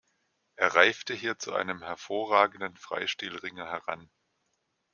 Er reifte hier zu einem hervorragenden Freistilringer heran.